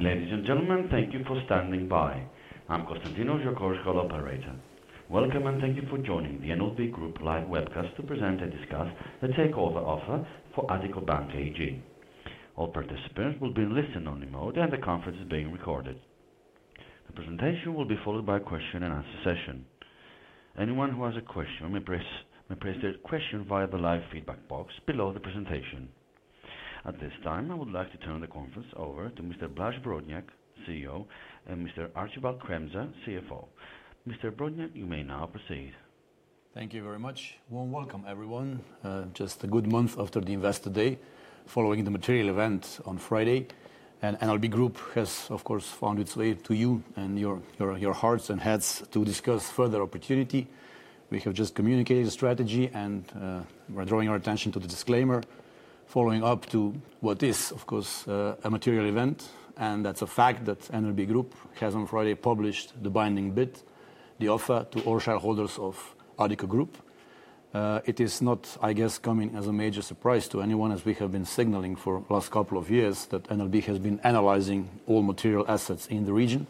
Ladies and gentlemen, thank you for standing by. I'm Constantinos, your call operator. Welcome, and thank you for joining the NLB Group live webcast to present and discuss the takeover offer for Addiko Bank AG. All participants will be in listen-only mode, and the conference is being recorded. The presentation will be followed by a question-and-answer session. Anyone who has a question may press their question via the live feedback box below the presentation. At this time, I would like to turn the conference over to Mr. Blaž Brodnjak, CEO, and Mr. Archibald Kremser, CFO. Mr. Brodnjak, you may now proceed. Thank you very much. Warm welcome, everyone. Just a good month after the Investor Day, following the material event on Friday, and NLB Group has, of course, found its way to you and your hearts and heads to discuss further opportunity. We have just communicated the strategy, and we're drawing our attention to the disclaimer following up to what is, of course, a material event, and that's a fact that NLB Group has on Friday published the binding bid, the offer to all shareholders of Addiko Group. It is not, I guess, coming as a major surprise to anyone, as we have been signaling for last couple of years that NLB has been analyzing all material assets in the region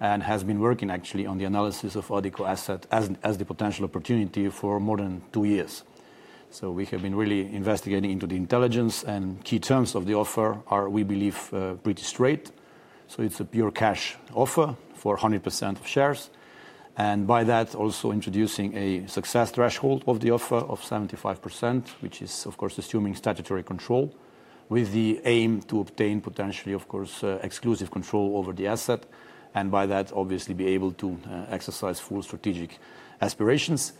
and has been working actually on the analysis of Addiko assets as the potential opportunity for more than two years. So we have been really investigating into the intelligence, and key terms of the offer are, we believe, pretty straight. So it's a pure cash offer for 100% of shares, and by that also introducing a success threshold of the offer of 75%, which is, of course, assuming statutory control, with the aim to obtain potentially, of course, exclusive control over the asset, and by that, obviously be able to exercise full strategic aspirations.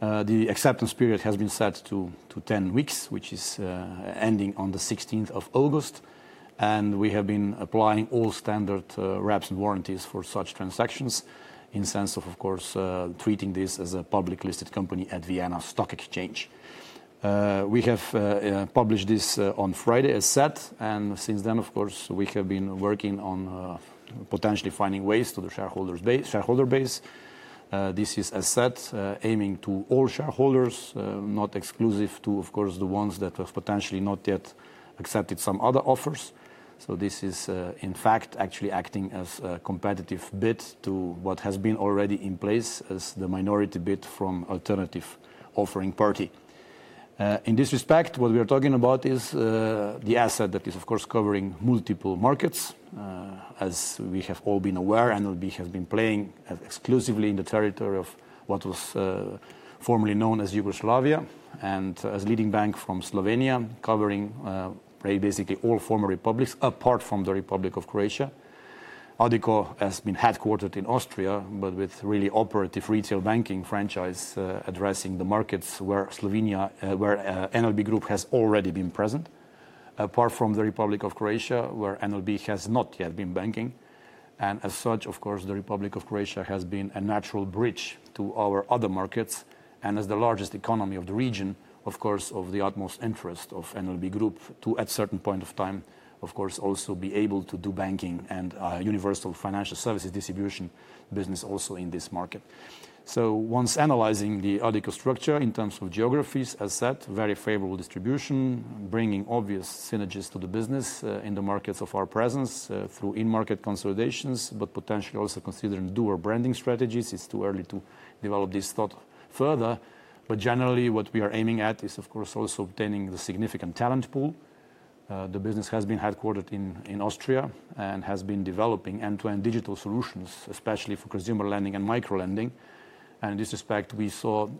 The acceptance period has been set to 10 weeks, which is ending on the 16th of August, and we have been applying all standard reps and warranties for such transactions in sense of, of course, treating this as a publicly listed company at Vienna Stock Exchange. We have published this on Friday, as set, and since then, of course, we have been working on potentially finding ways to the shareholders base, shareholder base. This is a set aiming to all shareholders, not exclusive to, of course, the ones that have potentially not yet accepted some other offers. So this is, in fact, actually acting as a competitive bid to what has been already in place as the minority bid from alternative offering party. In this respect, what we are talking about is the asset that is, of course, covering multiple markets. As we have all been aware, NLB has been playing exclusively in the territory of what was formerly known as Yugoslavia, and as leading bank from Slovenia, covering basically all former republics, apart from the Republic of Croatia. Addiko has been headquartered in Austria, but with really operative retail banking franchise, addressing the markets where Slovenia, where NLB Group has already been present, apart from the Republic of Croatia, where NLB has not yet been banking. As such, of course, the Republic of Croatia has been a natural bridge to our other markets, and as the largest economy of the region, of course, of the utmost interest of NLB Group to, at certain point of time, of course, also be able to do banking and universal financial services distribution business also in this market. Once analyzing the Addiko structure in terms of geographies, as said, very favorable distribution, bringing obvious synergies to the business, in the markets of our presence, through in-market consolidations, but potentially also considering dual branding strategies. It's too early to develop this thought further, but generally, what we are aiming at is, of course, also obtaining the significant talent pool. The business has been headquartered in Austria and has been developing end-to-end digital solutions, especially for consumer lending and micro lending. And in this respect, we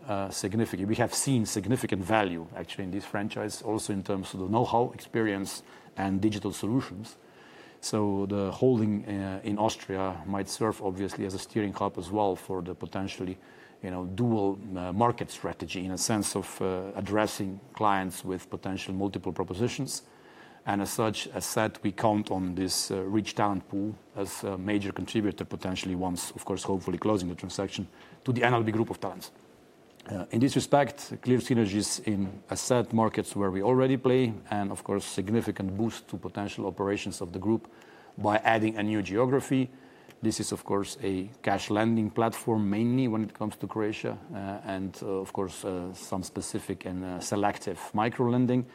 have seen significant value, actually, in this franchise, also in terms of the know-how, experience, and digital solutions. So the holding in Austria might serve obviously as a steering club as well for the potentially, you know, dual market strategy in a sense of addressing clients with potential multiple propositions. And as such, as said, we count on this rich talent pool as a major contributor, potentially once, of course, hopefully closing the transaction to the NLB Group of talents. In this respect, clear synergies in asset markets where we already play and of course, significant boost to potential operations of the group by adding a new geography. This is, of course, a cash lending platform, mainly when it comes to Croatia, and of course, some specific and, selective micro lending.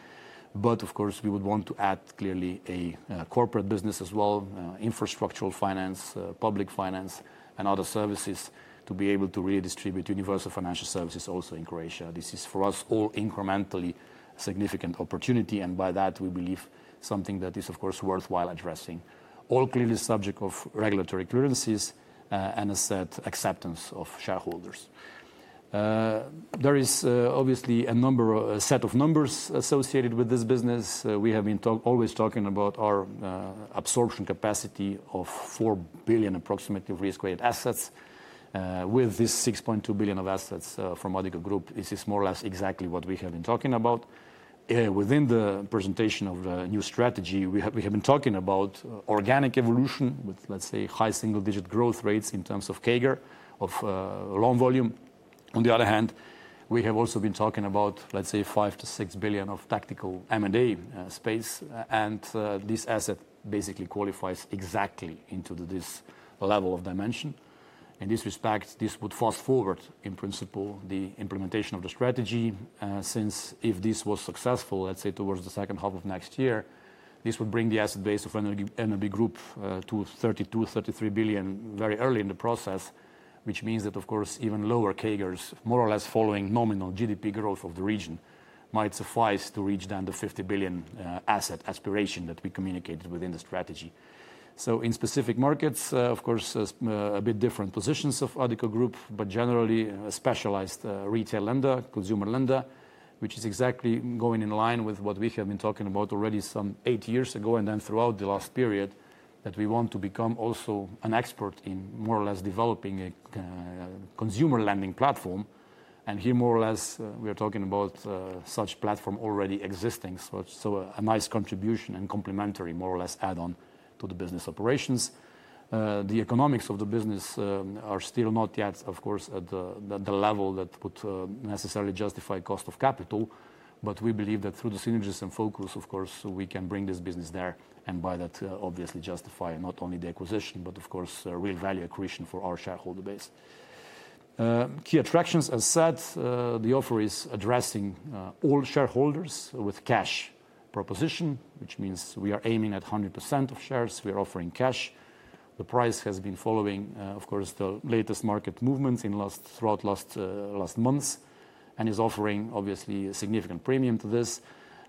But of course, we would want to add clearly a, corporate business as well, infrastructural finance, public finance and other services to be able to redistribute universal financial services also in Croatia. This is, for us, all incrementally significant opportunity, and by that, we believe something that is, of course, worthwhile addressing. All clearly subject of regulatory clearances, and a set acceptance of shareholders. There is, obviously a number of, a set of numbers associated with this business. We have been always talking about our absorption capacity of approximately €4 billion of risk-weighted assets. With this €6.2 billion of assets from Addiko Group, this is more or less exactly what we have been talking about. Within the presentation of the new strategy, we have, we have been talking about organic evolution with, let's say, high single-digit growth rates in terms of CAGR, of loan volume. On the other hand, we have also been talking about, let's say, €5 billion-€6 billion of tactical M&A space, and this asset basically qualifies exactly into this level of dimension. In this respect, this would fast forward, in principle, the implementation of the strategy, since if this was successful, let's say towards the second half of next year, this would bring the asset base of NLB Group to 32 billion-33 billion very early in the process. Which means that, of course, even lower CAGRs, more or less following nominal GDP growth of the region, might suffice to reach down the 50 billion asset aspiration that we communicated within the strategy. So in specific markets, of course, there's a bit different positions of Addiko Group, but generally a specialized, retail lender, consumer lender, which is exactly going in line with what we have been talking about already some eight years ago, and then throughout the last period, that we want to become also an expert in more or less developing a consumer lending platform. And here, more or less, we are talking about such platform already existing, so a nice contribution and complementary more or less add-on to the business operations. The economics of the business are still not yet, of course, at the level that would necessarily justify cost of capital, but we believe that through the synergies and focus, of course, we can bring this business there, and by that, obviously justify not only the acquisition, but of course, a real value accretion for our shareholder base. Key attractions, as said, the offer is addressing all shareholders with cash proposition, which means we are aiming at 100% of shares. We are offering cash. The price has been following, of course, the latest market movements throughout the last months, and is offering obviously a significant premium to this.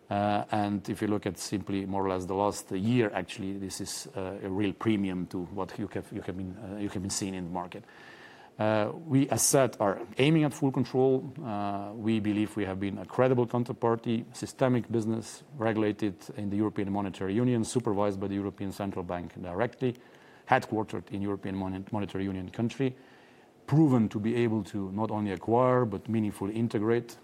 And if you look at simply more or less the last year, actually, this is a real premium to what you have been seeing in the market. We, as said, are aiming at full control. We believe we have been a credible counterparty, systemic business, regulated in the European Monetary Union, supervised by the European Central Bank directly, headquartered in European Monetary Union country. Proven to be able to not only acquire, but meaningfully integrate,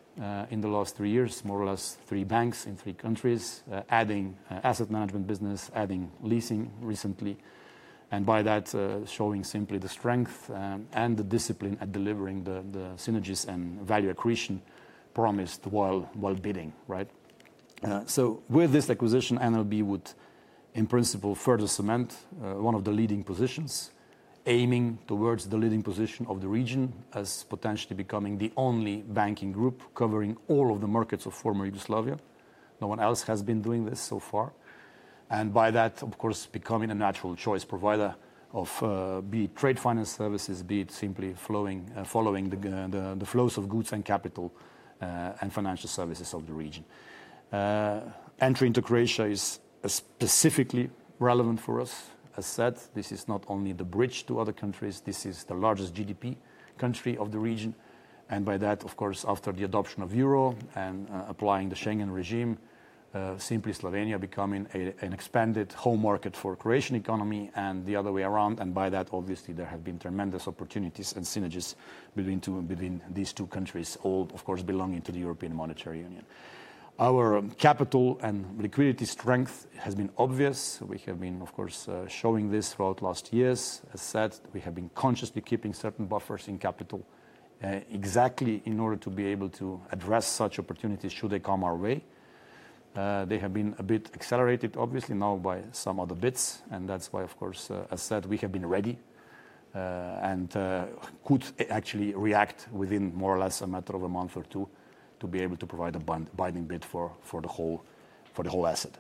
in the last three years, more or less three banks in three countries, adding asset management business, adding leasing recently. And by that, showing simply the strength and the discipline at delivering the synergies and value accretion promised while bidding, right? So with this acquisition, NLB would, in principle, further cement one of the leading positions, aiming towards the leading position of the region as potentially becoming the only banking group covering all of the markets of former Yugoslavia. No one else has been doing this so far. And by that, of course, becoming a natural choice provider of, be it trade finance services, be it simply flowing, following the flows of goods and capital, and financial services of the region. Entry into Croatia is specifically relevant for us. As said, this is not only the bridge to other countries, this is the largest GDP country of the region, and by that, of course, after the adoption of euro and applying the Schengen regime, simply Slovenia becoming an expanded home market for Croatian economy and the other way around. By that, obviously, there have been tremendous opportunities and synergies between these two countries, all, of course, belonging to the European Monetary Union. Our capital and liquidity strength has been obvious. We have been, of course, showing this throughout last years. As said, we have been consciously keeping certain buffers in capital, exactly in order to be able to address such opportunities, should they come our way. They have been a bit accelerated, obviously, now by some other bids, and that's why, of course, as said, we have been ready and could actually react within more or less a matter of a month or two, to be able to provide a binding bid for the whole asset.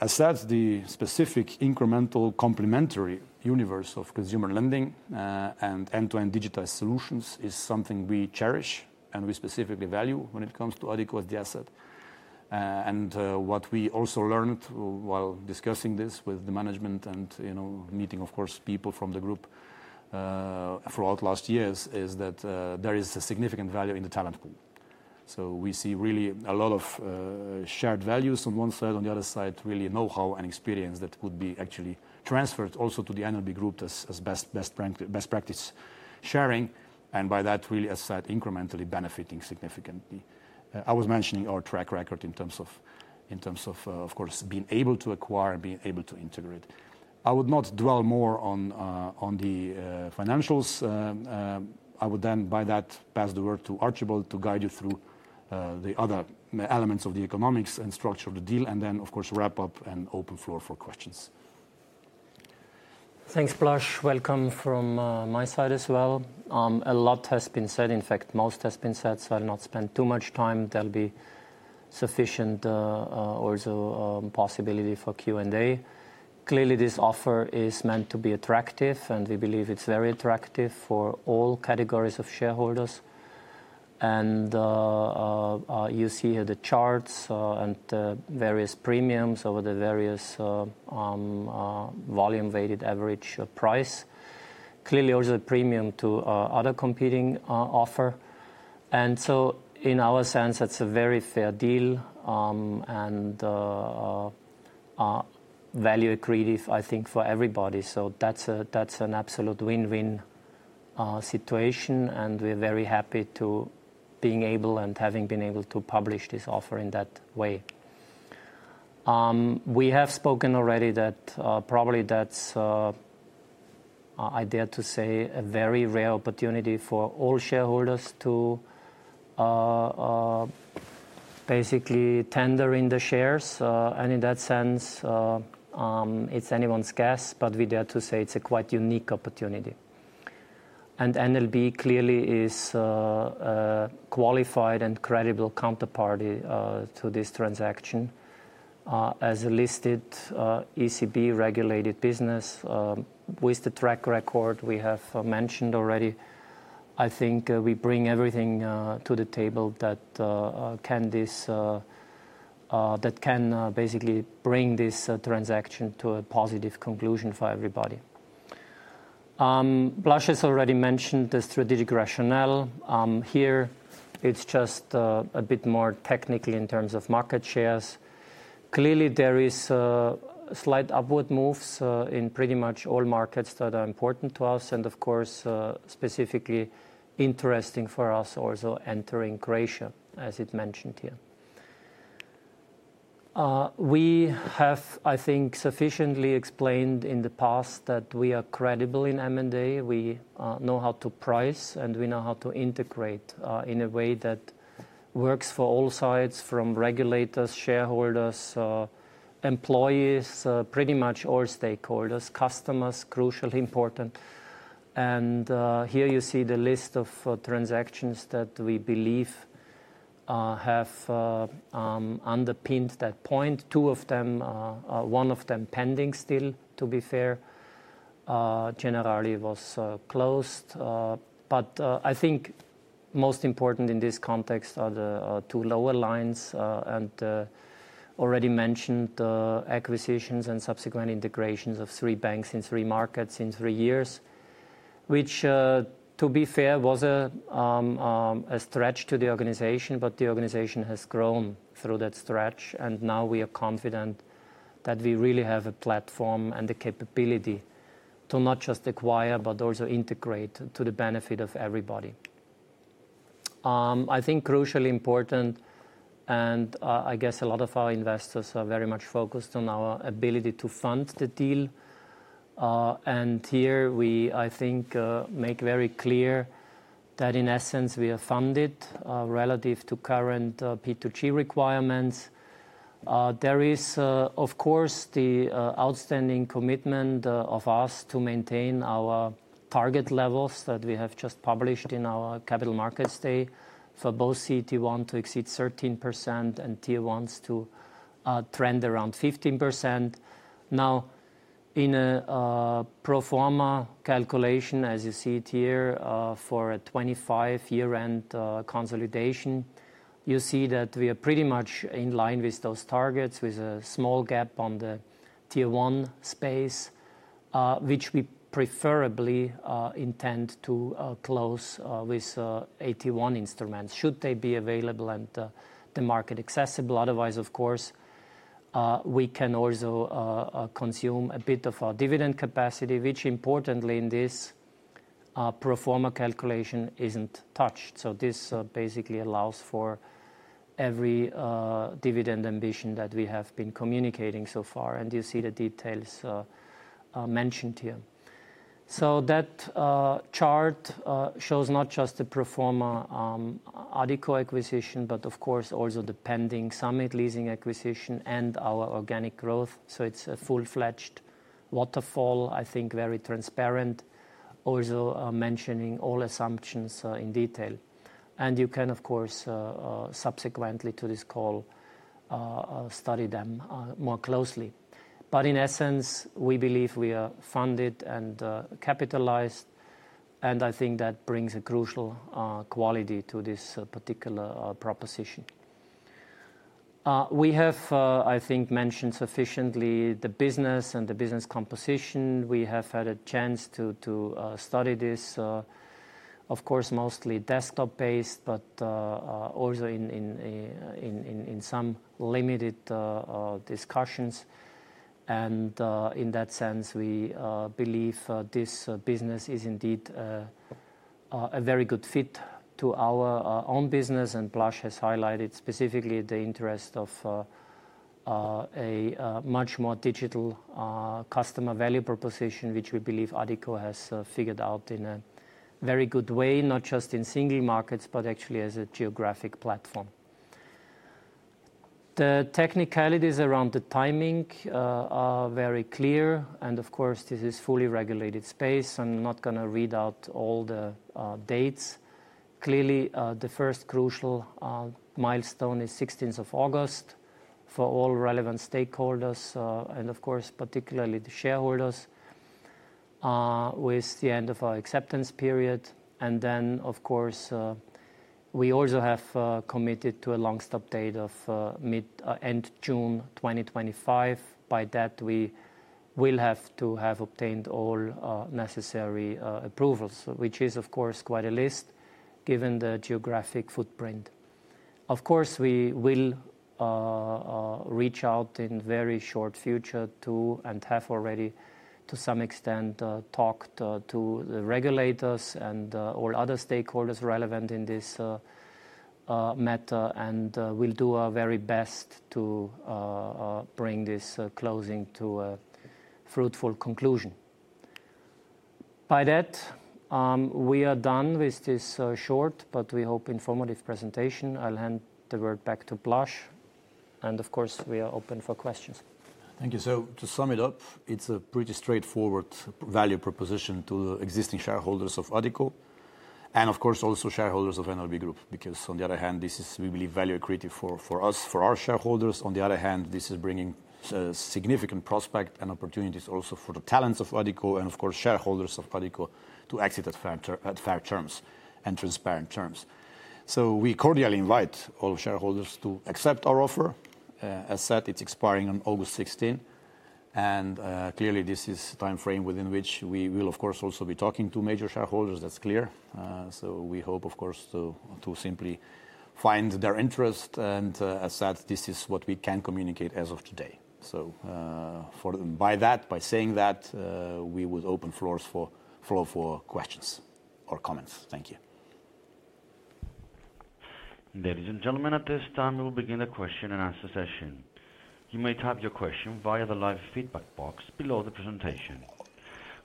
As said, the specific incremental complementary universe of consumer lending and end-to-end digitized solutions is something we cherish and we specifically value when it comes to Addiko as the asset. And what we also learned while discussing this with the management and, you know, meeting, of course, people from the group throughout last years, is that there is a significant value in the talent pool. So we see really a lot of shared values on one side, on the other side, really know-how and experience that could be actually transferred also to the NLB Group as best practice sharing, and by that, really, as said, incrementally benefiting significantly. I was mentioning our track record in terms of, in terms of, of course, being able to acquire, being able to integrate. I would not dwell more on, on the financials. I would then by that, pass the word to Archibald to guide you through the other elements of the economics and structure of the deal, and then, of course, wrap up and open floor for questions. Thanks, Blaž. Welcome from my side as well. A lot has been said, in fact, most has been said, so I'll not spend too much time. There'll be sufficient, also, possibility for Q&A. Clearly, this offer is meant to be attractive, and we believe it's very attractive for all categories of shareholders. And you see the charts and the various premiums over the various volume-weighted average price. Clearly, also a premium to other competing offer. And so in our sense, that's a very fair deal, and value accretive, I think, for everybody. So that's a, that's an absolute win-win situation, and we're very happy to being able and having been able to publish this offer in that way. We have spoken already that, probably that's, I dare to say, a very rare opportunity for all shareholders to basically tendering the shares. And in that sense, it's anyone's guess, but we dare to say it's a quite unique opportunity. And NLB clearly is qualified and credible counterparty to this transaction. As a listed, ECB-regulated business, with the track record we have mentioned already, I think, we bring everything to the table that can basically bring this transaction to a positive conclusion for everybody. Blaž has already mentioned the strategic rationale. Here it's just a bit more technically in terms of market shares. Clearly, there is slight upward moves in pretty much all markets that are important to us, and of course, specifically interesting for us also entering Croatia, as it mentioned here. We have, I think, sufficiently explained in the past that we are credible in M&A. We know how to price, and we know how to integrate in a way that works for all sides, from regulators, shareholders, employees, pretty much all stakeholders, customers, crucially important. And here you see the list of transactions that we believe have underpinned that point. Two of them are. One of them pending still, to be fair. Generally was closed. But I think most important in this context are the two lower lines, and already mentioned acquisitions and subsequent integrations of three banks in three markets in three years, which, to be fair, was a stretch to the organization. But the organization has grown through that stretch, and now we are confident that we really have a platform and the capability to not just acquire, but also integrate to the benefit of everybody. I think crucially important, and I guess a lot of our investors are very much focused on our ability to fund the deal. And here we, I think, make very clear that in essence, we are funded relative to current P2G requirements. There is, of course, the outstanding commitment of us to maintain our target levels that we have just published in our capital markets day for both CET1 to exceed 13% and Tier 1s to trend around 15%. Now, in a pro forma calculation, as you see it here, for a 2025 year-end consolidation, you see that we are pretty much in line with those targets, with a small gap on the Tier 1 space, which we preferably intend to close with AT1 instruments, should they be available and the market accessible. Otherwise, of course, we can also consume a bit of our dividend capacity, which importantly in this pro forma calculation isn't touched. So this basically allows for every dividend ambition that we have been communicating so far, and you see the details mentioned here. So that chart shows not just the pro forma Addiko acquisition, but of course, also the pending Summit Leasing acquisition and our organic growth. So it's a full-fledged waterfall, I think, very transparent, also mentioning all assumptions in detail. And you can, of course, subsequently to this call study them more closely. But in essence, we believe we are funded and capitalized, and I think that brings a crucial quality to this particular proposition. We have, I think, mentioned sufficiently the business and the business composition. We have had a chance to study this, of course, mostly desktop-based, but also in some limited discussions. And in that sense, we believe this business is indeed a very good fit to our own business. And Blaž has highlighted specifically the interest of a much more digital customer value proposition, which we believe Addiko has figured out in a very good way, not just in single markets, but actually as a geographic platform. The technicalities around the timing are very clear, and of course, this is fully regulated space. I'm not going to read out all the dates. Clearly, the first crucial milestone is sixteenth of August for all relevant stakeholders, and of course, particularly the shareholders, with the end of our acceptance period. Then, of course, we also have committed to a long stop date of mid end June 2025. By that, we will have to have obtained all necessary approvals, which is, of course, quite a list, given the geographic footprint. Of course, we will reach out in very short future to, and have already to some extent, talked to the regulators and all other stakeholders relevant in this matter, and we'll do our very best to bring this closing to a fruitful conclusion. By that, we are done with this short, but we hope informative presentation. I'll hand the word back to Blaž. And of course, we are open for questions. Thank you. So to sum it up, it's a pretty straightforward value proposition to the existing shareholders of Addiko and, of course, also shareholders of NLB Group, because on the other hand, this is really value creative for, for us, for our shareholders. On the other hand, this is bringing significant prospects and opportunities also for the talents of Addiko and of course, shareholders of Addiko to exit at fair terms and transparent terms. So we cordially invite all shareholders to accept our offer. As said, it's expiring on August sixteenth, and clearly, this is the time frame within which we will, of course, also be talking to major shareholders. That's clear. So we hope, of course, to simply find their interest. And as said, this is what we can communicate as of today. By that, by saying that, we would open the floor for questions or comments. Thank you. Ladies and gentlemen, at this time, we will begin the question and answer session. You may type your question via the live feedback box below the presentation.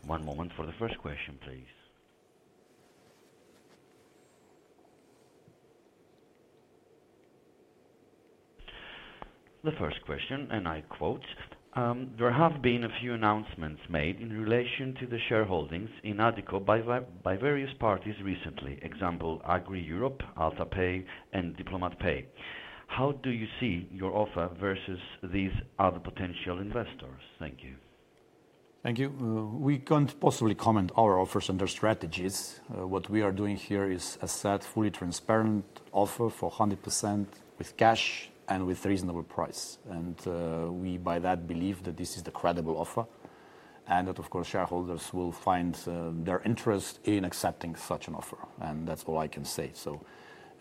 One moment for the first question, please. The first question, and I quote: "There have been a few announcements made in relation to the shareholdings in Addiko by various parties recently. Example, Agri Europe, Alta Pay, and Diplomat Pay. How do you see your offer versus these other potential investors? Thank you. Thank you. We can't possibly comment our offers and their strategies. What we are doing here is a set, fully transparent offer for 100% with cash and with reasonable price. And, we by that believe that this is the credible offer, and that, of course, shareholders will find their interest in accepting such an offer, and that's all I can say. So,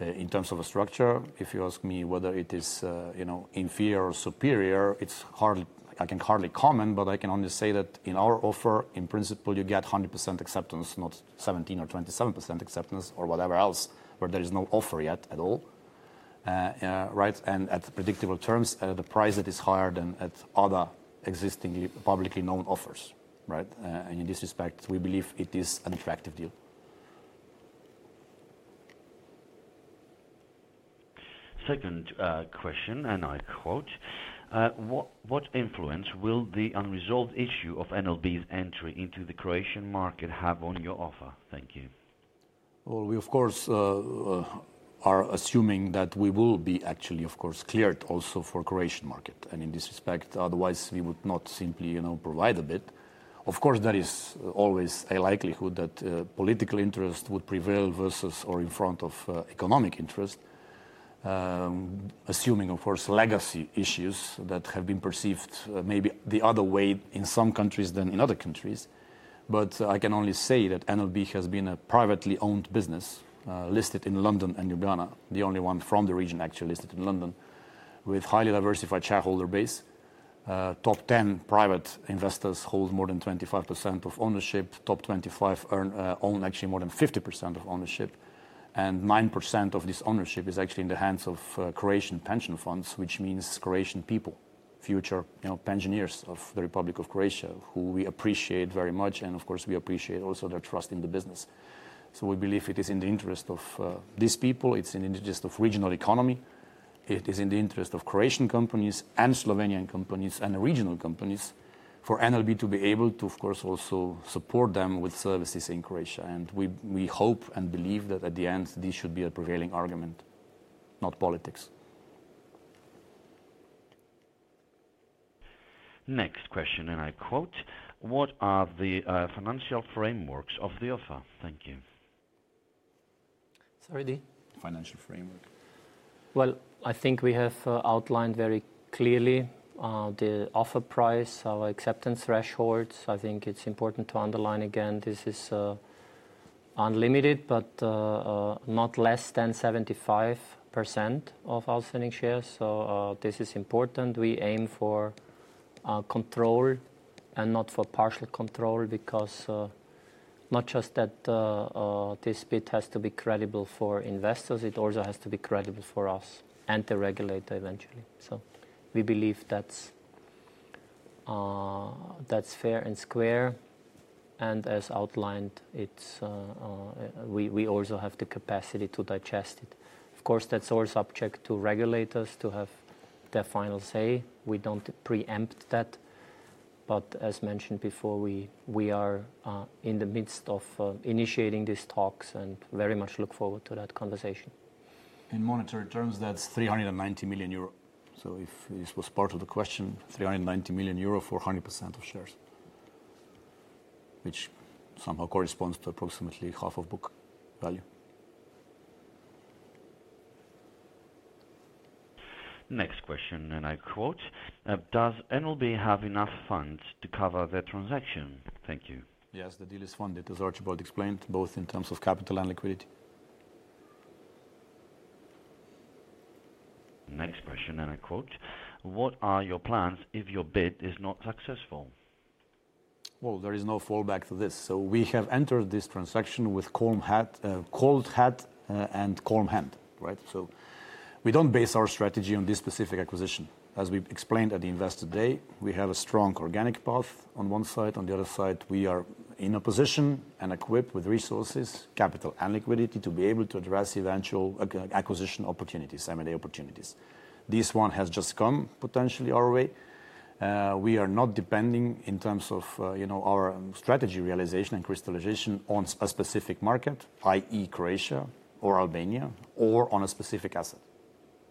in terms of a structure, if you ask me whether it is, you know, inferior or superior, it's hardly... I can hardly comment, but I can only say that in our offer, in principle, you get 100% acceptance, not 17 or 27% acceptance or whatever else, where there is no offer yet at all. Right, and at predictable terms, the price that is higher than at other existing publicly known offers, right? In this respect, we believe it is an attractive deal. Second question, and I quote: "What, what influence will the unresolved issue of NLB's entry into the Croatian market have on your offer? Thank you. Well, we of course, are assuming that we will be actually, of course, cleared also for Croatian market, and in this respect, otherwise we would not simply, you know, provide a bid. Of course, there is always a likelihood that, political interest would prevail versus or in front of, economic interest. Assuming, of course, legacy issues that have been perceived maybe the other way in some countries than in other countries. But I can only say that NLB has been a privately owned business, listed in London and Ljubljana, the only one from the region actually listed in London, with highly diversified shareholder base. Top 10 private investors hold more than 25% of ownership. Top 25 own actually more than 50% of ownership, and 9% of this ownership is actually in the hands of Croatian pension funds, which means Croatian people, future, you know, pensioners of the Republic of Croatia, who we appreciate very much, and of course, we appreciate also their trust in the business. So we believe it is in the interest of these people, it's in the interest of regional economy, it is in the interest of Croatian companies and Slovenian companies and regional companies, for NLB to be able to, of course, also support them with services in Croatia. And we hope and believe that at the end, this should be a prevailing argument, not politics. Next question, and I quote: "What are the financial frameworks of the offer? Thank you. Sorry, the? Financial framework. Well, I think we have outlined very clearly the offer price, our acceptance thresholds. I think it's important to underline again, this is unlimited, but not less than 75% of outstanding shares. So, this is important. We aim for control and not for partial control, because not just that this bid has to be credible for investors, it also has to be credible for us and the regulator eventually. So we believe that's fair and square, and as outlined, it's we also have the capacity to digest it. Of course, that's all subject to regulators to have their final say. We don't preempt that, but as mentioned before, we are in the midst of initiating these talks and very much look forward to that conversation. In monetary terms, that's 390 million euro. So if this was part of the question, 390 million euro for 100% of shares, which somehow corresponds to approximately half of book value. Next question, and I quote: "Does NLB have enough funds to cover the transaction? Thank you. Yes, the deal is funded, as Archibald explained, both in terms of capital and liquidity. Next question, and I quote: "What are your plans if your bid is not successful? Well, there is no fallback to this. So we have entered this transaction with calm hat, cold hat, and calm hand, right? So we don't base our strategy on this specific acquisition. As we explained at the Investor Day, we have a strong organic path on one side. On the other side, we are in a position and equipped with resources, capital, and liquidity to be able to address eventual acquisition opportunities, M&A opportunities. This one has just come potentially our way. We are not depending in terms of, you know, our strategy, realization, and crystallization on a specific market, i.e., Croatia or Albania, or on a specific asset.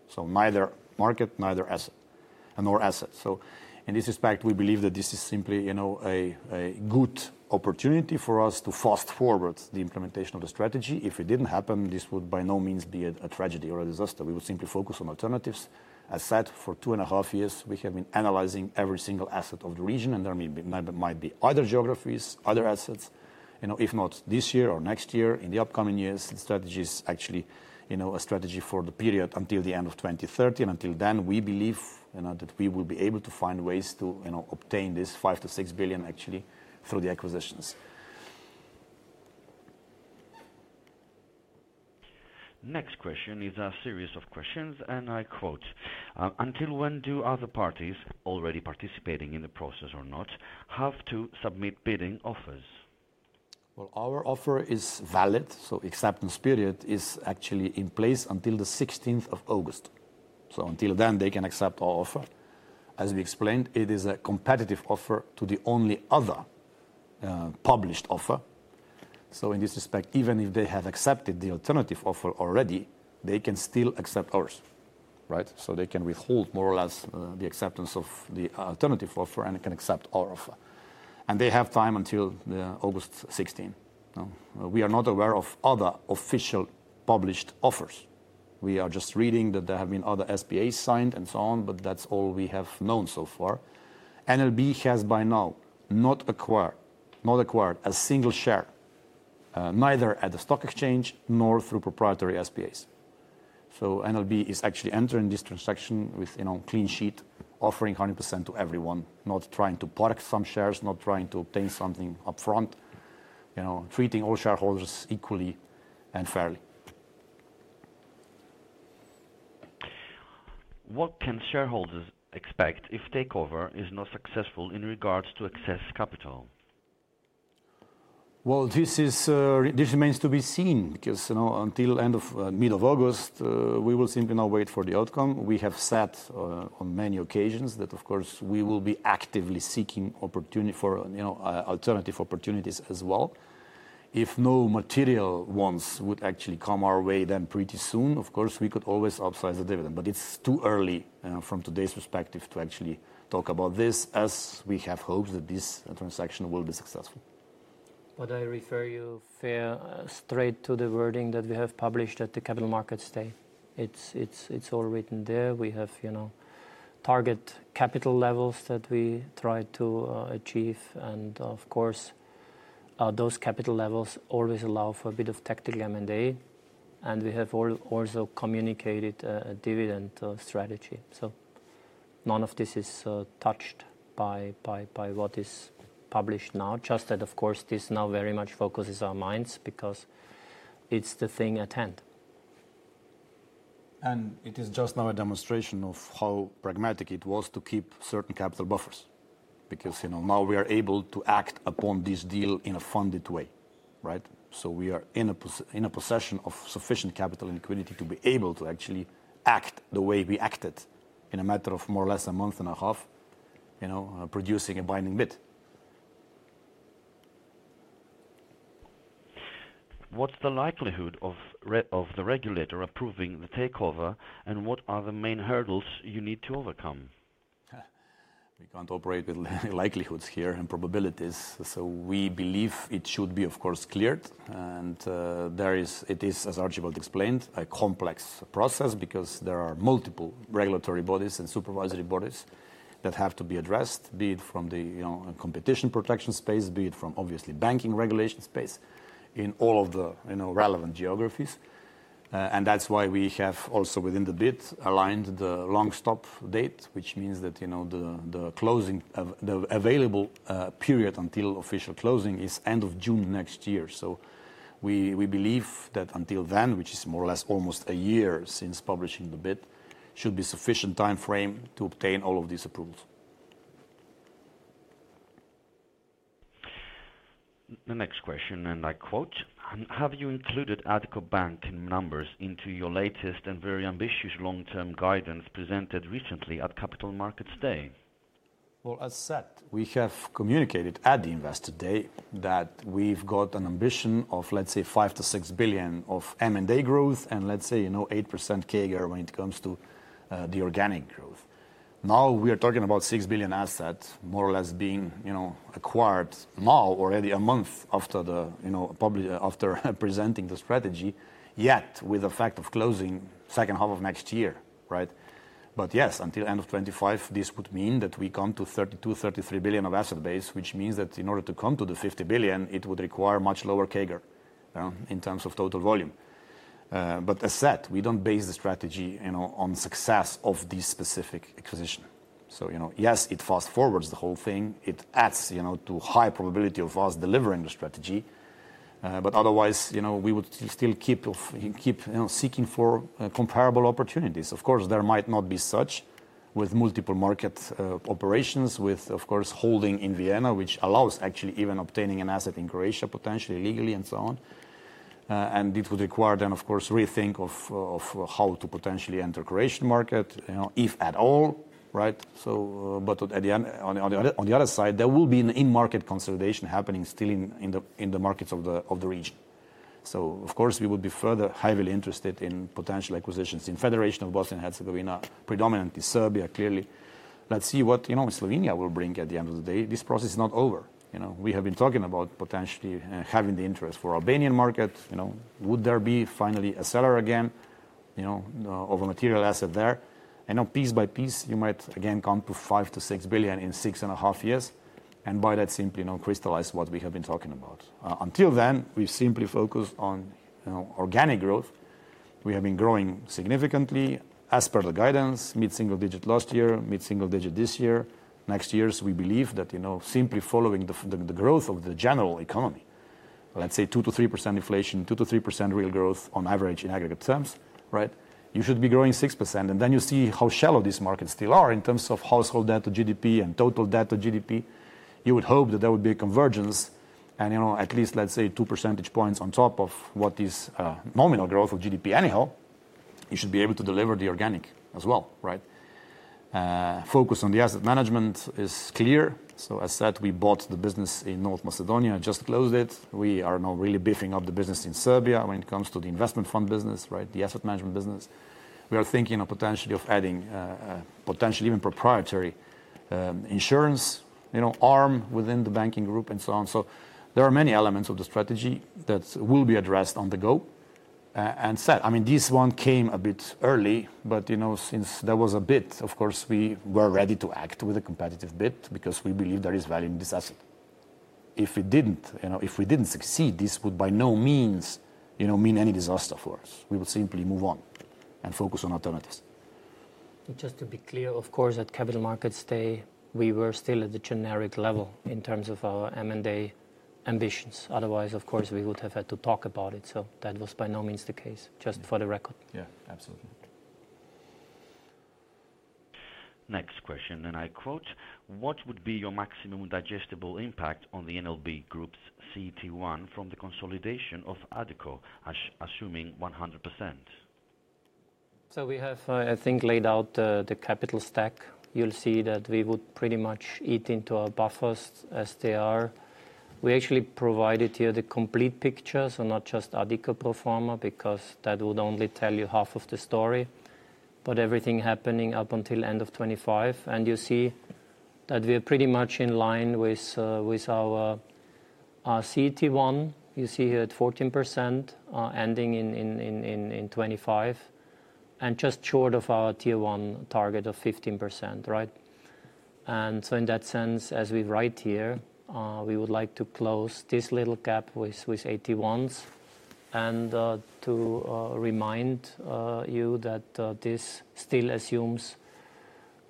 So neither market, neither asset, and nor asset. So in this respect, we believe that this is simply, you know, a good opportunity for us to fast-forward the implementation of the strategy. If it didn't happen, this would by no means be a tragedy or a disaster. We would simply focus on alternatives. As said, for two and a half years, we have been analyzing every single asset of the region, and there may be, might be other geographies, other assets, you know, if not this year or next year, in the upcoming years. The strategy is actually, you know, a strategy for the period until the end of 2030, and until then, we believe, you know, that we will be able to find ways to, you know, obtain this 5 billion-6 billion actually through the acquisitions. Next question is a series of questions, and I quote, "until when do other parties already participating in the process or not, have to submit bidding offers? Well, our offer is valid, so acceptance period is actually in place until the sixteenth of August. So until then, they can accept our offer. As we explained, it is a competitive offer to the only other published offer. So in this respect, even if they have accepted the alternative offer already, they can still accept ours, right? So they can withhold more or less the acceptance of the alternative offer and can accept our offer, and they have time until August sixteen. We are not aware of other official published offers. We are just reading that there have been other SPAs signed and so on, but that's all we have known so far. NLB has by now not acquired a single share, neither at the stock exchange nor through proprietary SPAs. NLB is actually entering this transaction with, you know, clean sheet, offering 100% to everyone, not trying to park some shares, not trying to obtain something upfront, you know, treating all shareholders equally and fairly. What can shareholders expect if takeover is not successful in regards to excess capital? Well, this is, this remains to be seen, because, you know, until end of, mid of August, we will simply now wait for the outcome. We have said, on many occasions that, of course, we will be actively seeking opportunity for, you know, alternative opportunities as well. If no material ones would actually come our way, then pretty soon, of course, we could always upsize the dividend. But it's too early, from today's perspective, to actually talk about this, as we have hopes that this transaction will be successful. But I refer you fairly straight to the wording that we have published at the Capital Markets Day. It's all written there. We have, you know, target capital levels that we try to achieve. And of course, those capital levels always allow for a bit of tactical M&A, and we have also communicated a dividend strategy. So none of this is touched by what is published now. Just that, of course, this now very much focuses our minds because it's the thing at hand. It is just now a demonstration of how pragmatic it was to keep certain capital buffers, because, you know, now we are able to act upon this deal in a funded way, right? So we are in a possession of sufficient capital and liquidity to be able to actually act the way we acted in a matter of more or less a month and a half, you know, producing a binding bid. What's the likelihood of the regulator approving the takeover, and what are the main hurdles you need to overcome? We can't operate with likelihoods here and probabilities, so we believe it should be, of course, cleared. And there is... It is, as Archibald explained, a complex process because there are multiple regulatory bodies and supervisory bodies that have to be addressed, be it from the, you know, competition protection space, be it from, obviously, banking regulation space, in all of the, you know, relevant geographies. And that's why we have also, within the bid, aligned the long stop date, which means that, you know, the, the closing of the available, period until official closing is end of June next year. So we, we believe that until then, which is more or less almost a year since publishing the bid, should be sufficient time frame to obtain all of these approvals. The next question, and I quote: "Have you included Addiko Bank in numbers into your latest and very ambitious long-term guidance presented recently at Capital Markets Day? Well, as said, we have communicated at the Investor Day that we've got an ambition of, let's say, 5-6 billion of M&A growth and, let's say, you know, 8% CAGR when it comes to the organic growth. Now, we are talking about 6 billion assets, more or less, being, you know, acquired now, already a month after presenting the strategy, yet with the fact of closing second half of next year, right? But yes, until end of 2025, this would mean that we come to 32-33 billion of asset base, which means that in order to come to the 50 billion, it would require much lower CAGR in terms of total volume. But as said, we don't base the strategy, you know, on success of this specific acquisition. So, you know, yes, it fast-forwards the whole thing. It adds, you know, to high probability of us delivering the strategy. But otherwise, you know, we would still keep, you know, seeking for comparable opportunities. Of course, there might not be such with multiple market operations, with, of course, holding in Vienna, which allows actually even obtaining an asset in Croatia, potentially legally, and so on. And it would require then, of course, rethink of how to potentially enter Croatian market, you know, if at all, right? So, but at the end, on the other side, there will be an in-market consolidation happening still in the markets of the region. So of course, we would be further highly interested in potential acquisitions in Federation of Bosnia and Herzegovina, predominantly Serbia, clearly. Let's see what, you know, Slovenia will bring at the end of the day. This process is not over, you know. We have been talking about potentially having the interest for Albanian market, you know. Would there be finally a seller again, you know, of a material asset there? And now piece by piece, you might again come to 5 billion-6 billion in 6.5 years, and by that simply now crystallize what we have been talking about. Until then, we simply focus on, you know, organic growth. We have been growing significantly as per the guidance, mid-single digit last year, mid-single digit this year. Next year, we believe that, you know, simply following the growth of the general economy, let's say 2%-3% inflation, 2%-3% real growth on average in aggregate terms, right? You should be growing 6%, and then you see how shallow these markets still are in terms of household debt to GDP and total debt to GDP. You would hope that there would be a convergence and, you know, at least, let's say, two percentage points on top of what is nominal growth of GDP anyhow. You should be able to deliver the organic as well, right? Focus on the asset management is clear. So as said, we bought the business in North Macedonia and just closed it. We are now really beefing up the business in Serbia when it comes to the investment fund business, right, the asset management business. We are thinking of potentially of adding potentially even proprietary insurance, you know, arm within the banking group and so on. There are many elements of the strategy that will be addressed on the go. I mean, this one came a bit early, but, you know, since there was a bid, of course, we were ready to act with a competitive bid because we believe there is value in this asset. If it didn't, you know, if we didn't succeed, this would by no means, you know, mean any disaster for us. We would simply move on and focus on alternatives. Just to be clear, of course, at Capital Markets Day, we were still at the generic level in terms of our M&A ambitions. Otherwise, of course, we would have had to talk about it. So that was by no means the case, just for the record. Yeah, absolutely. Next question, and I quote: "What would be your maximum digestible impact on the NLB Group's CET1 from the consolidation of Addiko, assuming 100%? So we have, I think, laid out the capital stack. You'll see that we would pretty much eat into our buffers as they are. We actually provided here the complete picture, so not just Addiko pro forma, because that would only tell you half of the story. But everything happening up until end of 2025, and you see that we are pretty much in line with our CET1. You see here at 14%, ending in 2025, and just short of our Tier 1 target of 15%, right? And so in that sense, as we write here, we would like to close this little gap with AT1s. And to remind you that this still assumes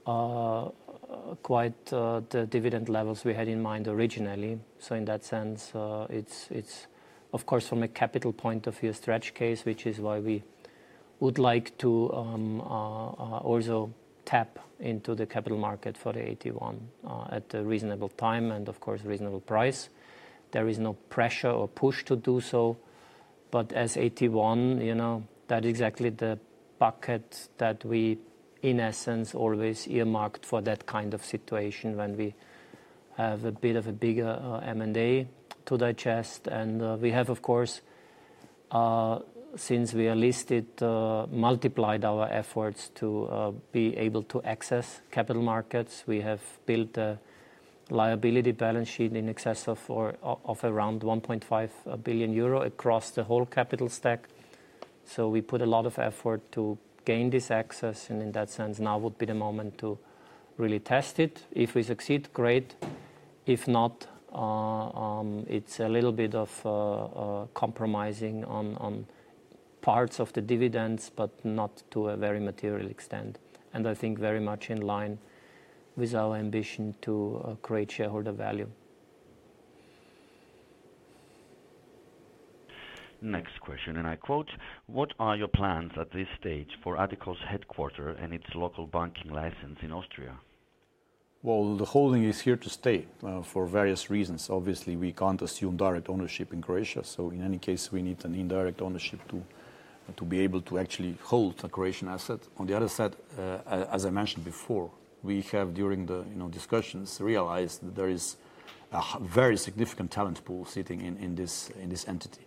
quite the dividend levels we had in mind originally. So in that sense, it's of course, from a capital point of view, a stretch case, which is why we would like to also tap into the capital market for AT1 at a reasonable time and of course, reasonable price. There is no pressure or push to do so, but as AT1, you know, that exactly the bucket that we, in essence, always earmarked for that kind of situation, when we have a bit of a bigger M&A to digest. And we have, of course, since we are listed, multiplied our efforts to be able to access capital markets. We have built a liability balance sheet in excess of, or of around 1.5 billion euro across the whole capital stack. So we put a lot of effort to gain this access, and in that sense, now would be the moment to really test it. If we succeed, great. If not, it's a little bit of, compromising on, on parts of the dividends, but not to a very material extent, and I think very much in line with our ambition to, create shareholder value. Next question, and I quote: "What are your plans at this stage for Addiko's headquarters and its local banking license in Austria? Well, the holding is here to stay, for various reasons. Obviously, we can't assume direct ownership in Croatia, so in any case, we need an indirect ownership to be able to actually hold a Croatian asset. On the other side, as I mentioned before, we have, during the, you know, discussions, realized that there is a very significant talent pool sitting in this entity.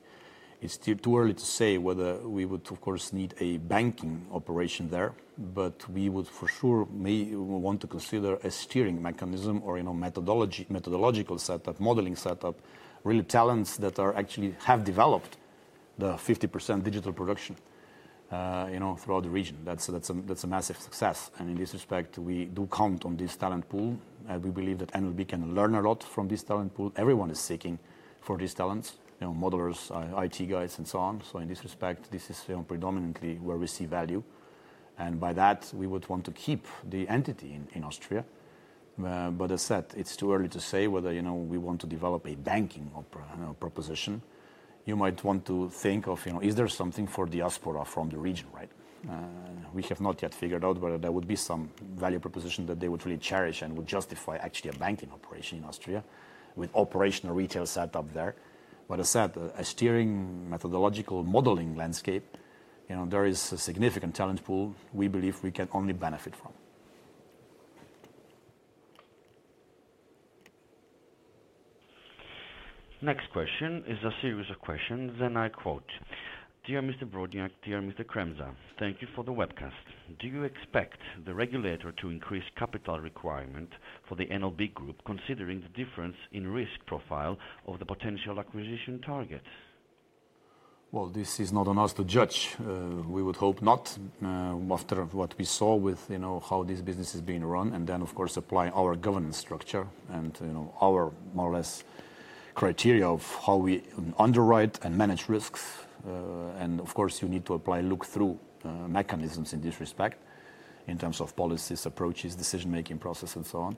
It's still too early to say whether we would, of course, need a banking operation there, but we would for sure may want to consider a steering mechanism or, you know, methodology, methodological setup, modeling setup, really talents that are actually have developed the 50% digital production, you know, throughout the region. That's a massive success, and in this respect, we do count on this talent pool. We believe that NLB can learn a lot from this talent pool. Everyone is seeking for these talents, you know, modelers, IT guys, and so on. So in this respect, this is, you know, predominantly where we see value... and by that, we would want to keep the entity in Austria. But as said, it's too early to say whether, you know, we want to develop a banking proposition. You might want to think of, you know, is there something for diaspora from the region, right? We have not yet figured out whether there would be some value proposition that they would really cherish and would justify actually a banking operation in Austria with operational retail set up there. But as said, a steering methodological modeling landscape, you know, there is a significant talent pool we believe we can only benefit from. Next question is a series of questions, and I quote: "Dear Mr. Brodnjak, dear Mr. Kremser, thank you for the webcast. Do you expect the regulator to increase capital requirement for the NLB Group, considering the difference in risk profile of the potential acquisition target? Well, this is not on us to judge. We would hope not, after what we saw with, you know, how this business is being run, and then, of course, apply our governance structure and, you know, our more or less criteria of how we underwrite and manage risks. And of course, you need to apply look-through mechanisms in this respect, in terms of policies, approaches, decision-making process, and so on.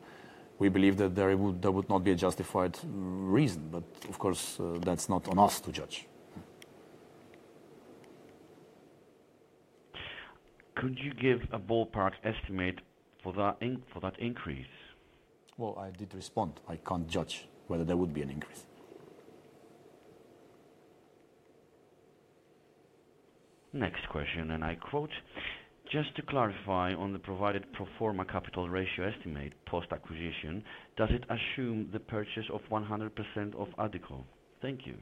We believe that there would, there would not be a justified reason, but of course, that's not on us to judge. Could you give a ballpark estimate for that increase? Well, I did respond. I can't judge whether there would be an increase. Next question, and I quote: "Just to clarify on the provided pro forma capital ratio estimate, post-acquisition, does it assume the purchase of 100% of Addiko? Thank you.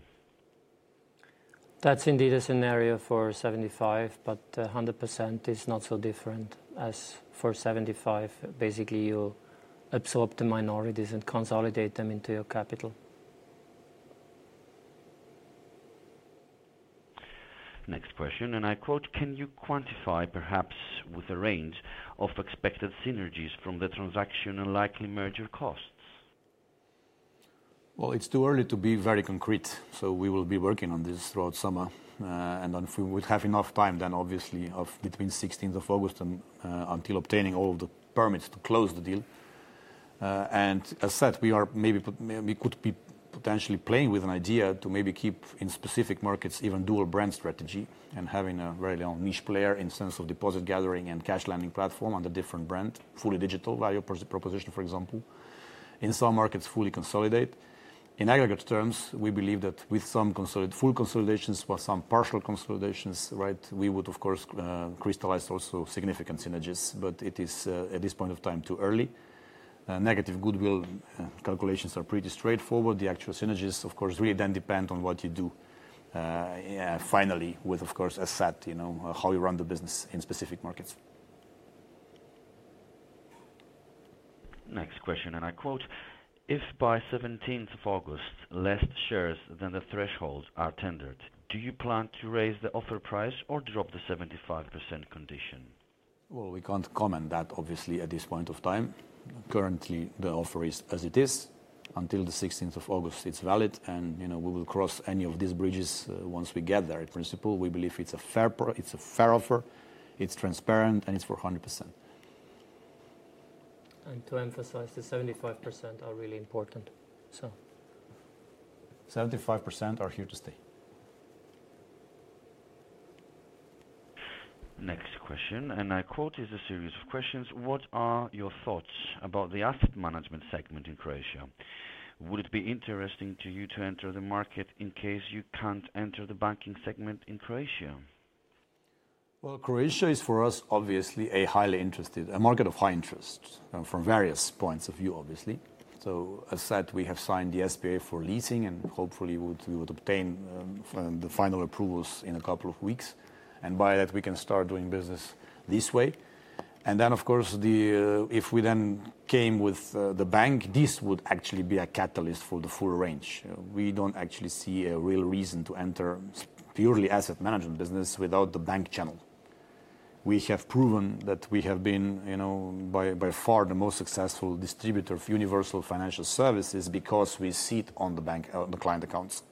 That's indeed a scenario for 75, but 100% is not so different as for 75. Basically, you absorb the minorities and consolidate them into your capital. Next question, and I quote: "Can you quantify, perhaps with a range of expected synergies from the transaction and likely merger costs? Well, it's too early to be very concrete, so we will be working on this throughout summer. And then if we would have enough time, then obviously or between 16th of August and until obtaining all the permits to close the deal. And as said, we are maybe we could be potentially playing with an idea to maybe keep in specific markets, even dual brand strategy, and having a very own niche player in sense of deposit gathering and cash lending platform on the different brand, fully digital value proposition, for example. In some markets, fully consolidate. In aggregate terms, we believe that with some full consolidations, for some partial consolidations, right, we would, of course, crystallize also significant synergies, but it is, at this point of time, too early. Negative goodwill calculations are pretty straightforward. The actual synergies, of course, really then depend on what you do, finally with, of course, as said, you know, how you run the business in specific markets. Next question, and I quote: "If by seventeenth of August, less shares than the thresholds are tendered, do you plan to raise the offer price or drop the 75% condition? Well, we can't comment that, obviously, at this point of time. Currently, the offer is as it is. Until the sixteenth of August, it's valid, and, you know, we will cross any of these bridges once we get there. In principle, we believe it's a fair—it's a fair offer, it's transparent, and it's for 100%. To emphasize, the 75% are really important, so. 75% are here to stay. Next question, and I quote, it's a series of questions: "What are your thoughts about the asset management segment in Croatia? Would it be interesting to you to enter the market in case you can't enter the banking segment in Croatia? Well, Croatia is, for us, obviously, a highly interested, a market of high interest, from various points of view, obviously. So as said, we have signed the SPA for leasing, and hopefully, we would, we would obtain the final approvals in a couple of weeks, and by that, we can start doing business this way. And then, of course, the, if we then came with the bank, this would actually be a catalyst for the full range. We don't actually see a real reason to enter purely asset management business without the bank channel. We have proven that we have been, you know, by, by far, the most successful distributor of universal financial services because we sit on the bank, the client accounts.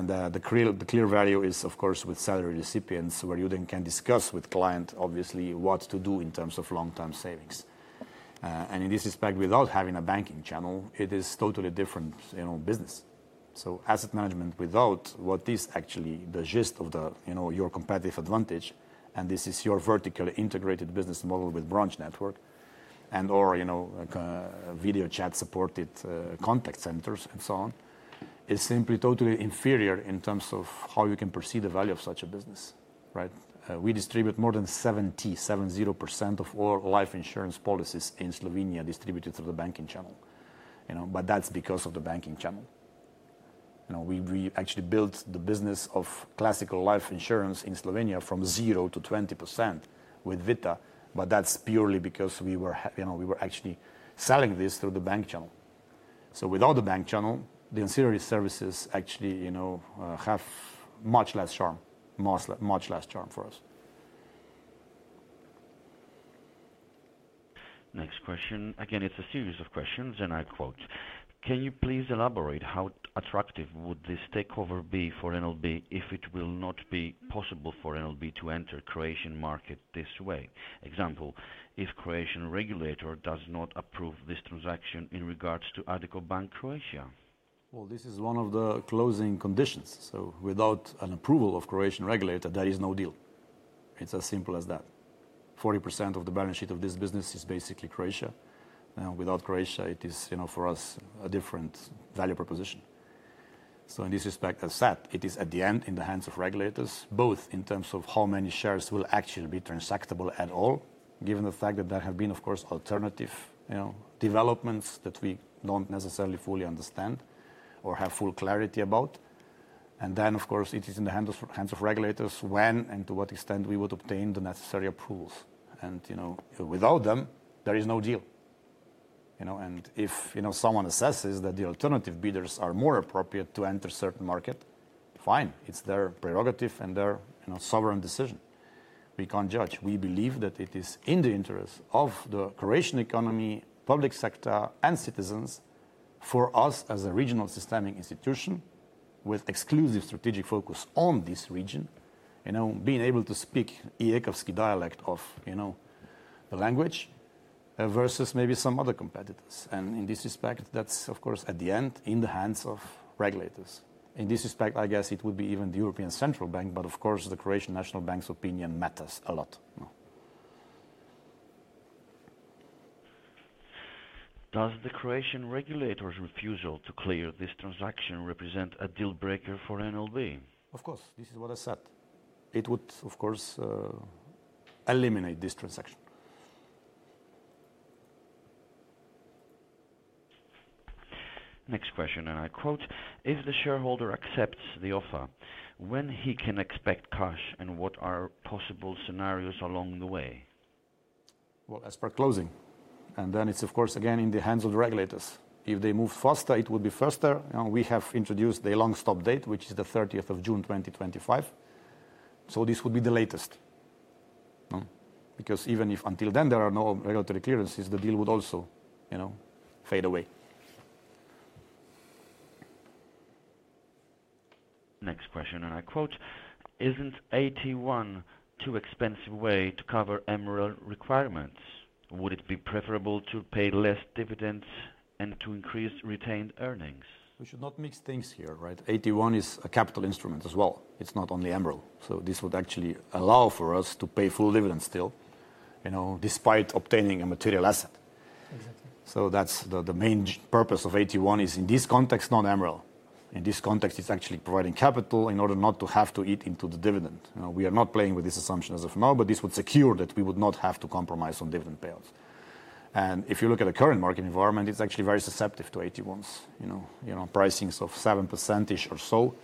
The clear value is, of course, with salary recipients, where you then can discuss with client, obviously, what to do in terms of long-term savings. In this respect, without having a banking channel, it is totally different, you know, business. Asset management, without what is actually the gist of the, you know, your competitive advantage, and this is your vertically integrated business model with branch network and/or, you know, a video chat-supported contact centers and so on, is simply totally inferior in terms of how you can perceive the value of such a business, right? We distribute more than 77.0% of all life insurance policies in Slovenia, distributed through the banking channel, you know, but that's because of the banking channel. You know, we, we actually built the business of classical life insurance in Slovenia from zero to 20% with Vita, but that's purely because we were you know, we were actually selling this through the bank channel. So without the bank channel, the ancillary services actually, you know, have much less charm, much less charm for us.... Next question, again, it's a series of questions, and I quote: "Can you please elaborate how attractive would this takeover be for NLB if it will not be possible for NLB to enter Croatian market this way? Example, if Croatian regulator does not approve this transaction in regards to Addiko Bank, Croatia. Well, this is one of the closing conditions, so without an approval of Croatian regulator, there is no deal. It's as simple as that. 40% of the balance sheet of this business is basically Croatia, and without Croatia, it is, you know, for us, a different value proposition. So in this respect, as said, it is at the end in the hands of regulators, both in terms of how many shares will actually be transactable at all, given the fact that there have been, of course, alternative, you know, developments that we don't necessarily fully understand or have full clarity about. And then, of course, it is in the hands of regulators when and to what extent we would obtain the necessary approvals. And, you know, without them, there is no deal. You know, and if, you know, someone assesses that the alternative bidders are more appropriate to enter certain market, fine, it's their prerogative and their, you know, sovereign decision. We can't judge. We believe that it is in the interest of the Croatian economy, public sector, and citizens, for us, as a regional systemic institution with exclusive strategic focus on this region, you know, being able to speak Ijekavski dialect of, you know, the language, versus maybe some other competitors. And in this respect, that's of course, at the end, in the hands of regulators. In this respect, I guess it would be even the European Central Bank, but of course, the Croatian National Bank's opinion matters a lot. Does the Croatian regulator's refusal to clear this transaction represent a deal breaker for NLB? Of course, this is what I said. It would, of course, eliminate this transaction. Next question, and I quote: "If the shareholder accepts the offer, when he can expect cash, and what are possible scenarios along the way? Well, as per closing, and then it's of course, again, in the hands of the regulators. If they move faster, it will be faster. You know, we have introduced a long stop date, which is the thirtieth of June, twenty twenty-five. So this would be the latest. No, because even if until then there are no regulatory clearances, the deal would also, you know, fade away. Next question, and I quote: "Isn't AT1 too expensive way to cover MREL requirements? Would it be preferable to pay less dividends and to increase retained earnings? We should not mix things here, right? AT1 is a capital instrument as well. It's not only MREL, so this would actually allow for us to pay full dividends still, you know, despite obtaining a material asset. Exactly. So that's the main purpose of AT1 is, in this context, not MREL. In this context, it's actually providing capital in order not to have to eat into the dividend. We are not playing with this assumption as of now, but this would secure that we would not have to compromise on dividend payouts. And if you look at the current market environment, it's actually very susceptible to AT1s, you know, you know, pricings of 7% or so.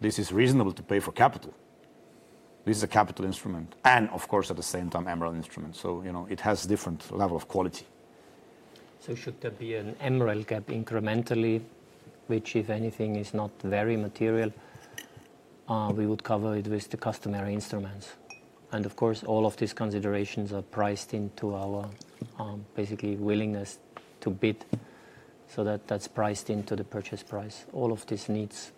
This is reasonable to pay for capital. This is a capital instrument and of course, at the same time, MREL instrument, so, you know, it has different level of quality. So should there be an MREL gap incrementally, which, if anything, is not very material, we would cover it with the customary instruments. And of course, all of these considerations are priced into our basically willingness to bid, so that, that's priced into the purchase price. All of these needs.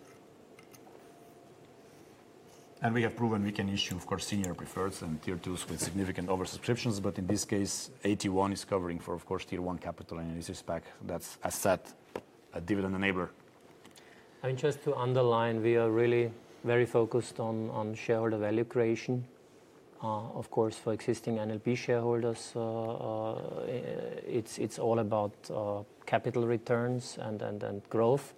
We have proven we can issue, of course, senior preferred and Tier 2s with significant oversubscriptions, but in this case, AT1 is covering for, of course, Tier 1 capital, and in this respect, that's as said, a dividend enabler. I mean, just to underline, we are really very focused on shareholder value creation. Of course, for existing NLB shareholders, it's all about capital returns and growth.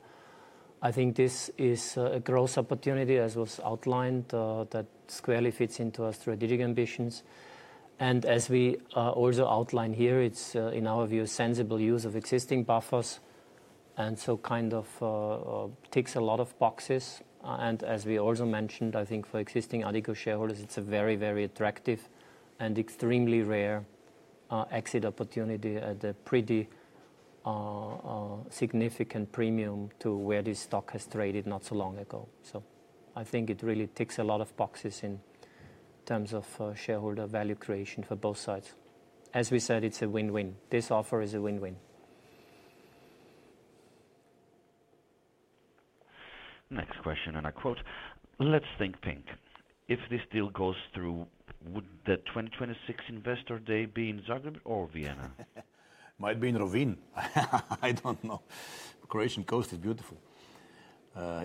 I think this is a growth opportunity, as was outlined, that squarely fits into our strategic ambitions. And as we also outlined here, it's in our view, a sensible use of existing buffers, and so kind of ticks a lot of boxes. And as we also mentioned, I think for existing Addiko shareholders, it's a very, very attractive and extremely rare exit opportunity at a pretty significant premium to where this stock has traded not so long ago. So I think it really ticks a lot of boxes in terms of shareholder value creation for both sides. As we said, it's a win-win. This offer is a win-win. Next question, and I quote: "Let's think pink. If this deal goes through, would the 2026 investor day be in Zagreb or Vienna? Might be in Rovinj. I don't know. Croatian coast is beautiful.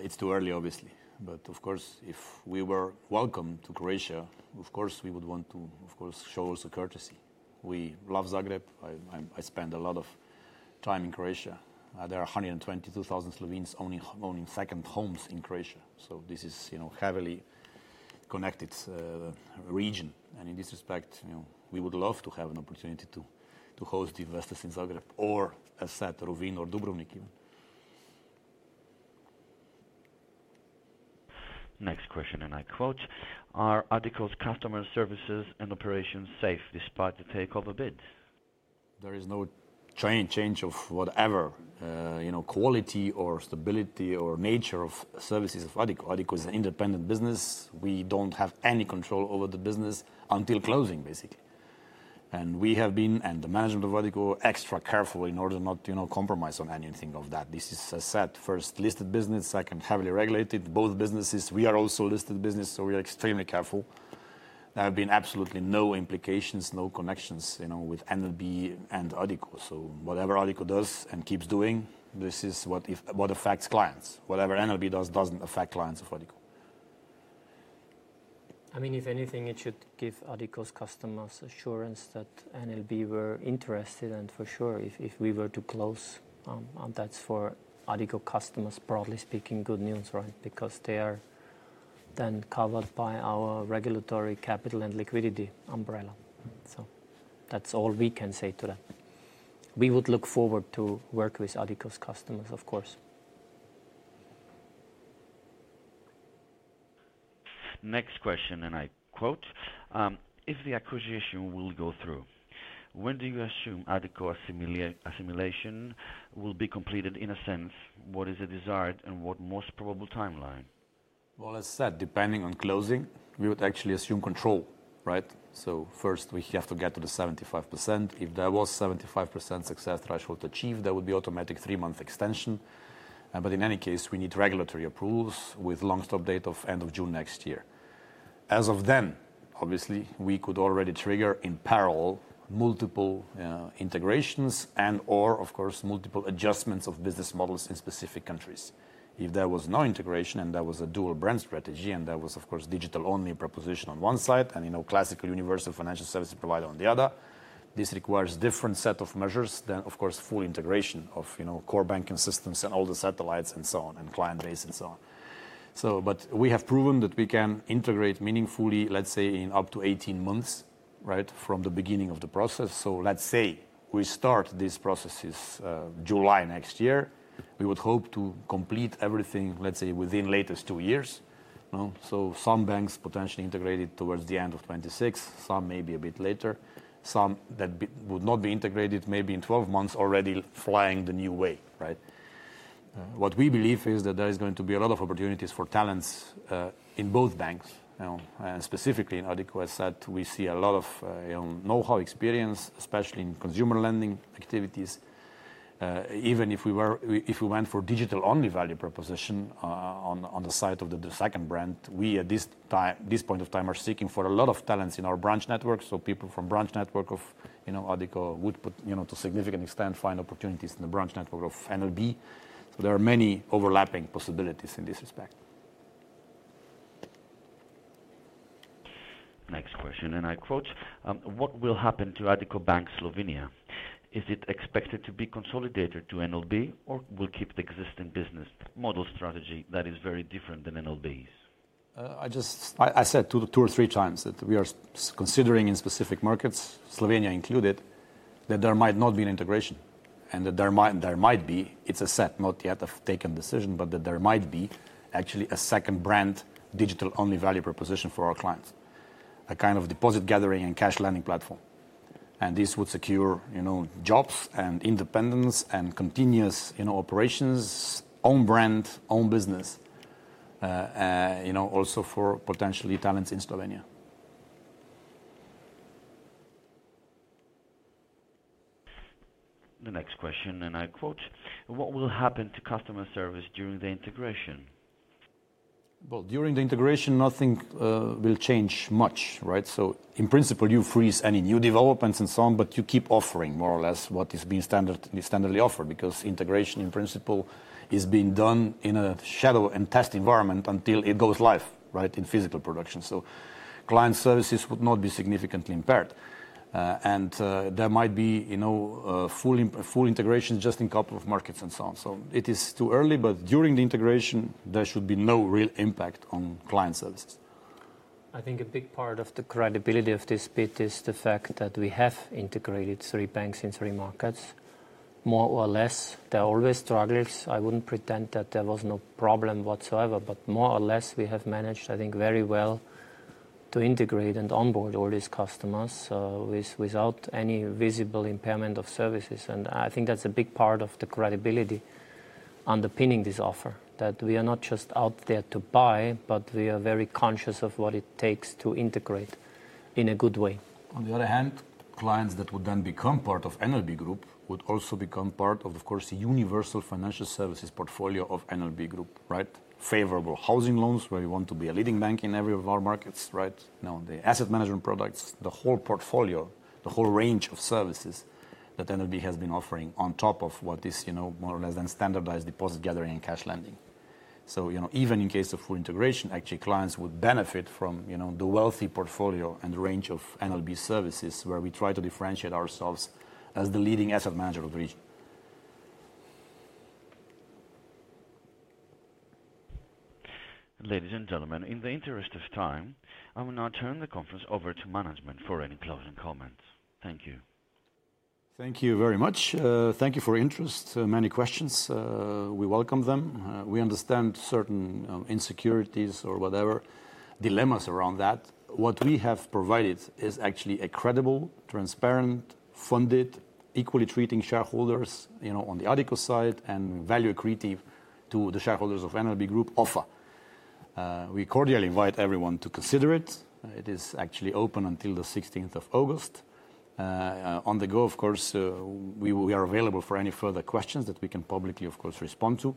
It's too early, obviously, but of course, if we were welcome to Croatia, of course, we would want to, of course, show us a courtesy. We love Zagreb. I spend a lot of time in Croatia. There are 122,000 Slovenes owning second homes in Croatia, so this is, you know, heavily connected region. And in this respect, you know, we would love to have an opportunity to host investors in Zagreb or, as said, Rovinj or Dubrovnik even. Next question, and I quote: "Are Addiko's customer services and operations safe despite the takeover bid? There is no change of whatever, you know, quality or stability or nature of services of Addiko. Addiko is an independent business. We don't have any control over the business until closing, basically, and we have been, and the management of Addiko, extra careful in order not to, you know, compromise on anything of that. This is a set first, listed business, second, heavily regulated, both businesses. We are also a listed business, so we are extremely careful. There have been absolutely no implications, no connections, you know, with NLB and Addiko. So whatever Addiko does and keeps doing, this is what affects clients. Whatever NLB does, doesn't affect clients of Addiko. I mean, if anything, it should give Addiko's customers assurance that NLB were interested, and for sure, if we were to close, that's for Addiko customers, broadly speaking, good news, right? Because they are then covered by our regulatory capital and liquidity umbrella. So that's all we can say to that. We would look forward to work with Addiko's customers, of course. Next question, and I quote: "If the acquisition will go through, when do you assume Addiko assimilation will be completed, in a sense, what is the desired and what most probable timeline? Well, as said, depending on closing, we would actually assume control, right? So first, we have to get to the 75%. If there was 75% success threshold achieved, there would be automatic three-month extension. But in any case, we need regulatory approvals with long stop date of end of June next year. As of then, obviously, we could already trigger, in parallel, multiple integrations and/or of course, multiple adjustments of business models in specific countries. If there was no integration and there was a dual brand strategy, and there was, of course, digital-only proposition on one side, and, you know, classical universal financial services provider on the other, this requires different set of measures than, of course, full integration of, you know, core banking systems and all the satellites and so on, and client base and so on. So but we have proven that we can integrate meaningfully, let's say, in up to 18 months, right, from the beginning of the process. So let's say we start these processes, July next year, we would hope to complete everything, let's say, within latest 2 years. So some banks potentially integrated towards the end of 2026, some may be a bit later, some would not be integrated, maybe in 12 months, already flying the new way, right? What we believe is that there is going to be a lot of opportunities for talents in both banks, you know. And specifically in Addiko, as said, we see a lot of know-how experience, especially in consumer lending activities. Even if we were, if we went for digital-only value proposition, on, on the side of the, the second brand, we at this time, this point of time, are seeking for a lot of talents in our branch network. So people from branch network of, you know, Addiko would put, you know, to a significant extent, find opportunities in the branch network of NLB. So there are many overlapping possibilities in this respect. Next question, and I quote: "What will happen to Addiko Bank Slovenia? Is it expected to be consolidated to NLB, or will keep the existing business model strategy that is very different than NLB's? I just said 2, 2 or 3 times that we are considering in specific markets, Slovenia included, that there might not be an integration and that there might be. It's a set, not yet a taken decision, but that there might be actually a second brand, digital-only value proposition for our clients. A kind of deposit gathering and cash lending platform. And this would secure, you know, jobs and independence and continuous, you know, operations, own brand, own business, you know, also for potentially talents in Slovenia. The next question, and I quote: "What will happen to customer service during the integration? Well, during the integration, nothing will change much, right? So in principle, you freeze any new developments and so on, but you keep offering more or less what is being standardly offered. Because integration, in principle, is being done in a shadow and test environment until it goes live, right, in physical production. So client services would not be significantly impaired. And there might be, you know, a full integration just in a couple of markets and so on. So it is too early, but during the integration, there should be no real impact on client services. I think a big part of the credibility of this bid is the fact that we have integrated three banks in three markets, more or less. There are always struggles. I wouldn't pretend that there was no problem whatsoever, but more or less, we have managed, I think, very well to integrate and onboard all these customers, without any visible impairment of services. And I think that's a big part of the credibility underpinning this offer, that we are not just out there to buy, but we are very conscious of what it takes to integrate in a good way. On the other hand, clients that would then become part of NLB Group would also become part of, of course, the universal financial services portfolio of NLB Group, right? Favorable housing loans, where we want to be a leading bank in every of our markets, right? Now, the asset management products, the whole portfolio, the whole range of services that NLB has been offering on top of what is, you know, more or less than standardized deposit gathering and cash lending. So, you know, even in case of full integration, actually, clients would benefit from, you know, the wealthy portfolio and range of NLB services, where we try to differentiate ourselves as the leading asset manager of the region. Ladies and gentlemen, in the interest of time, I will now turn the conference over to management for any closing comments. Thank you. Thank you very much. Thank you for interest. Many questions, we welcome them. We understand certain, insecurities or whatever dilemmas around that. What we have provided is actually a credible, transparent, funded, equally treating shareholders, you know, on the Addiko side, and value accretive to the shareholders of NLB Group offer. We cordially invite everyone to consider it. It is actually open until the sixteenth of August. On the go, of course, we are available for any further questions that we can publicly, of course, respond to.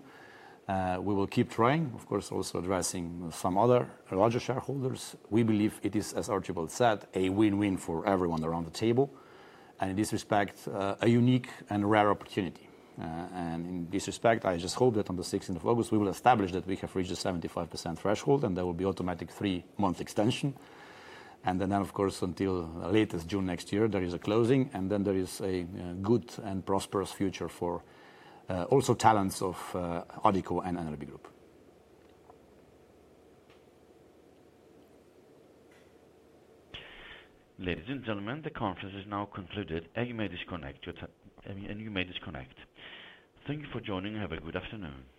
We will keep trying, of course, also addressing some other larger shareholders. We believe it is, as Archibald said, a win-win for everyone around the table, and in this respect, a unique and rare opportunity. And in this respect, I just hope that on the sixteenth of August, we will establish that we have reached a 75% threshold, and there will be automatic three-month extension. And then, of course, until latest June next year, there is a closing, and then there is a good and prosperous future for also talents of Addiko and NLB Group. Ladies and gentlemen, the conference is now concluded, and you may disconnect. Thank you for joining. Have a good afternoon.